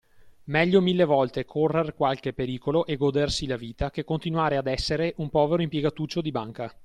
Meglio mille volte correr qualche pericolo e godersi la vita, che continuare ad essere un povero impiegatuccio di banca.